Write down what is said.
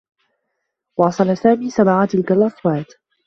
واصل سامي سماع تلك الأصوات.